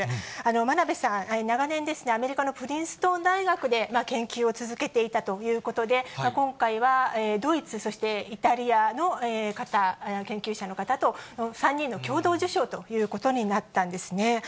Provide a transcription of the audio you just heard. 真鍋さん、長年、アメリカのプリンストン大学で研究を続けていたということで、今回はドイツ、そしてイタリアの方、研究者の方と３人の共同受賞ということになったんですね。